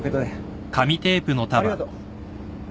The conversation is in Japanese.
おうありがとう。